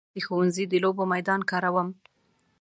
زه د ښوونځي د لوبو میدان کاروم.